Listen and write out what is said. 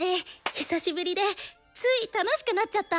久しぶりでつい楽しくなっちゃった。